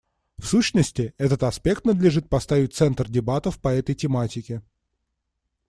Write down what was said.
В сущности, этот аспект надлежит поставить в центр дебатов по этой тематике.